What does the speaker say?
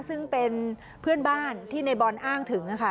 ซึ่งเป็นเพื่อนบ้านที่ในบอลอ้างถึงค่ะ